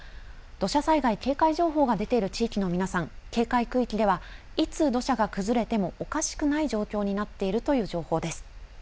土砂災害警戒情報が出ている地域の皆さん、警戒区域ではいつ土砂が崩れてもおかしくない状況になっているという情報です。